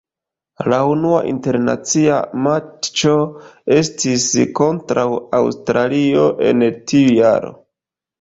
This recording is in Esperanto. La unua internacia matĉo estis kontraŭ Aŭstralio en tiu jaro.